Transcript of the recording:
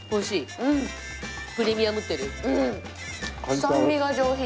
酸味が上品。